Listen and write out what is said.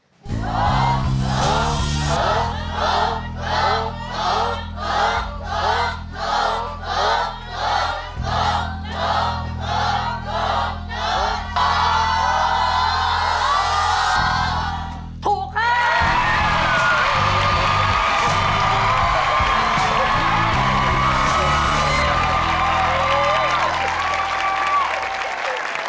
รูปปั้นตัวแทนพนเรือนบนอนุสวรีชัยสมรภูมิ